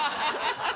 ハハハハ！